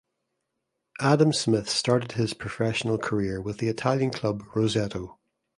Adam Smith started his professional career with the Italian club Roseto.